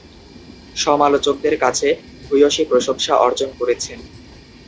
সমালোচকদের কাছে ভূয়সী প্রশংসা অর্জন করেছেন।